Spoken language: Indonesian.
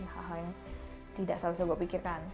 hal hal yang tidak selalu gue pikirkan